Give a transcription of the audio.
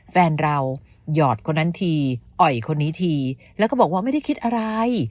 แฟนเราหยอดคนนั้นทีอ่อยคนนี้ทีแล้วก็บอกว่าไม่ได้คิดอะไร